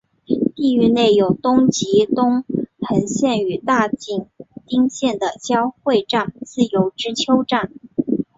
地域内有东急东横线与大井町线的交会站自由之丘站。